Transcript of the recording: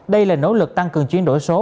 đây là nỗ lực tăng cường chuyển đổi số